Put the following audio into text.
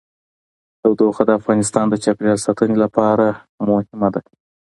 تودوخه د افغانستان د چاپیریال ساتنې لپاره مهم دي.